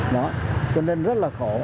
đó cho nên rất là khổ